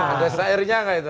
ada seirnya nggak itu